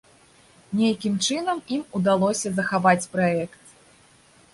Нейкім чынам ім удалося захаваць праект.